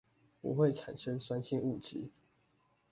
不會產生酸性物質